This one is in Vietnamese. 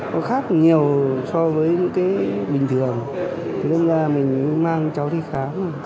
nó khác nhiều so với những cái bình thường thế nên là mình mang cho thi khám